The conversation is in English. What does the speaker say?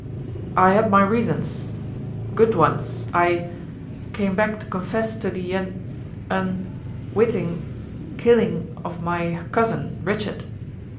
"I had my reasons good ones I came back to confess to the un un witting killing of my cousin, Richard."